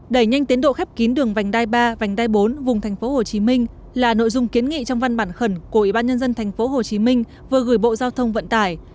đẩy nhanh tiến độ khép kín đường vành đai ba vành đai bốn vùng tp hcm là nội dung kiến nghị trong văn bản khẩn của ủy ban nhân dân tp hcm vừa gửi bộ giao thông vận tải